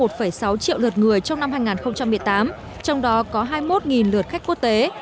một sáu triệu lượt người trong năm hai nghìn một mươi tám trong đó có hai mươi một lượt khách quốc tế